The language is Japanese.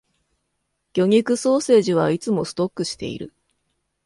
魚肉ソーセージはいつもストックしている